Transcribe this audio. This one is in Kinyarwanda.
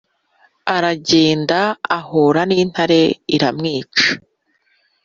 Aragenda ahura n intare iramwica